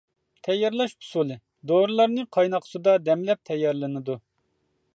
تەييارلاش ئۇسۇلى: دورىلارنى قايناق سۇدا دەملەپ تەييارلىنىدۇ.